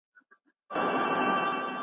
په جوارۍ ناسته لاليه